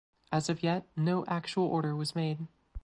As of yet no actual order was made.